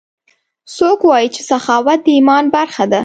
څوک وایي چې سخاوت د ایمان برخه ده